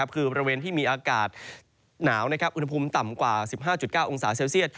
คือบริเวณที่มีอากาศหนาวอุณหภูมิต่ำกว่า๑๕๙องศาเซลเซียต